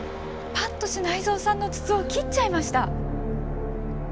八渡支内造さんの筒を切っちゃいました！